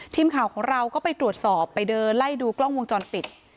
ทีมข่าวของเราก็ไปตรวจสอบไปเดินไล่ดูกล้องวงจรปิด